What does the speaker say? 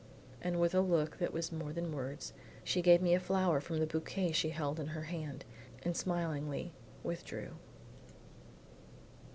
And with a look that was more than words, she gave me a flower from the bouquet she held in her hand, and smilingly withdrew.